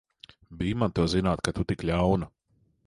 Bij man to zināt, ka tu tik ļauna!